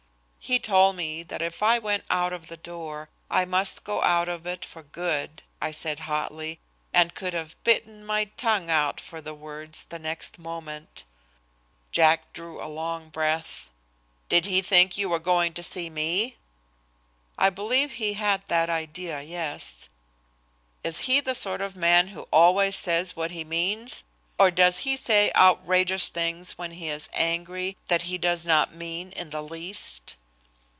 "He told me that if I went out of the door, I must go out of it for good," I said hotly, and could have bitten my tongue out for the words the next moment. Jack drew a long breath. "Did he think you were going to see me?" "I believe he had that idea, yes." "Is he the sort of a man who always says what he means or does he say outrageous things when he is angry that he does not mean in the least?"